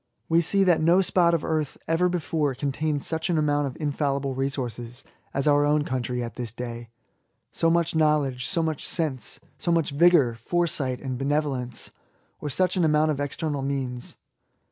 We see that no spot of earth ever before contained such an amount of infallible resources as our own country at this day ; so much knowledge, so much sense, so much vigour, foresight, and benevolence, or such an amount of external means.